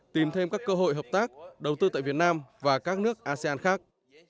tìm thêm các cơ hội hợp tác đầu tư tại việt nam và các nước asean khác